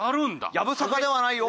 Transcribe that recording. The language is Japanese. やぶさかではないよ。